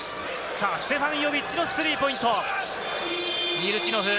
ステファン・ヨビッチのスリーポイント。